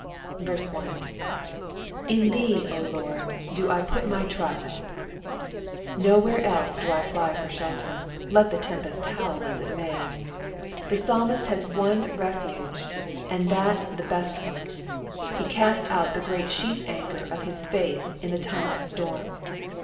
1. " In Oiee, 0 Lord, do I ptit my (rurt," Nowhere else do I fly for shelter, let the tempest howl u it may. The putmiHt haa one refuge, and that the best one. He ca«t8 out the great sheet anchor of his faith in the time of storm.